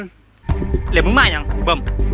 เดี๋ยวมึงมาหรือยังพี่พ่อม